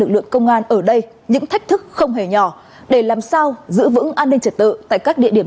lực lượng công an ở đây những thách thức không hề nhỏ để làm sao giữ vững an ninh trật tự tại các địa điểm